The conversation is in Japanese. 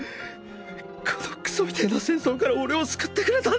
このクソみてぇな戦争から俺を救ってくれたんだ！！